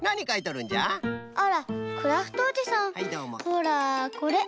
ほらこれ。